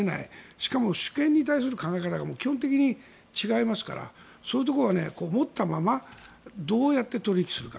しかも主権に対する考え方が基本的に違いますからそういうところは持ったままどうやって取引するか。